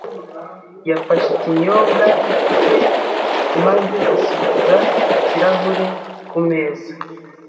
yafashe ikinyobwa cye maze asubiza ikirahure ku meza.